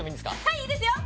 はいいいですよ